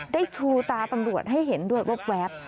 ชูตาตำรวจให้เห็นด้วยแว๊บ